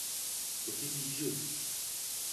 O te di dzeu